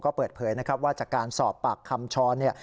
ก็เปิดเผยนะครับว่าจากการสอบปากคำช้อนเนี่ย